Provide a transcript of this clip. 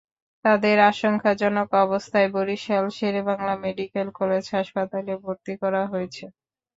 তাঁদের আশঙ্কাজনক অবস্থায় বরিশাল শেরেবাংলা মেডিকেল কলেজ হাসপাতালে ভর্তি করা হয়েছে।